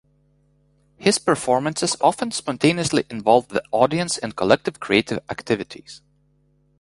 His performances often spontaneously involved the audience in collective creative activities.